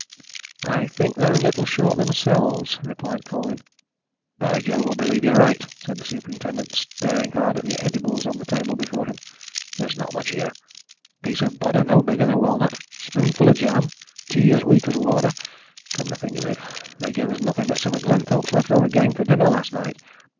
"I think they're a little short themselves," replied Colwyn. "By Jove, I believe you're right!" said the superintendent, staring hard at the edibles on the table before him. "There's not much here a piece of butter no bigger than a walnut, a spoonful of jam, and tea as weak as water. Come to think of it, they gave us nothing but some of Glenthorpe's left over game for dinner last night.